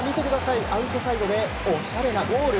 アウトサイドでおしゃれなゴール。